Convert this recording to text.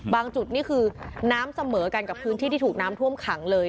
จุดนี่คือน้ำเสมอกันกับพื้นที่ที่ถูกน้ำท่วมขังเลย